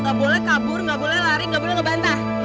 gak boleh kabur gak boleh lari gak boleh ngebantah